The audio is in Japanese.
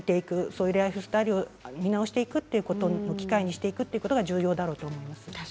そういうライフスタイルを見直していく機会にしていくことが重要だなと思います。